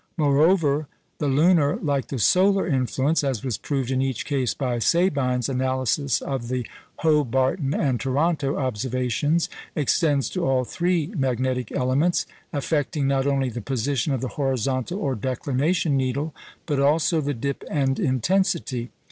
Moreover, the lunar, like the solar influence (as was proved in each case by Sabine's analysis of the Hobarton and Toronto observations), extends to all three "magnetic elements," affecting not only the position of the horizontal or declination needle, but also the dip and intensity.